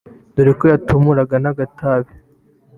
dore ko yatumuraga n’agatabi